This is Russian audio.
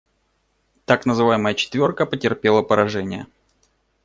Так называемая «четверка» потерпела поражение.